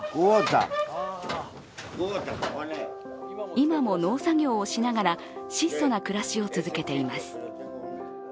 今も農作業をしながら質素な暮らしを続けています。